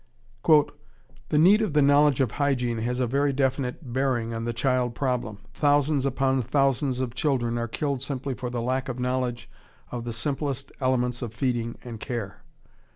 ] "The need of the knowledge of hygiene has a very definite bearing on the child problem. Thousands upon thousands of children are killed simply for the lack of knowledge of the simplest elements of feeding and care.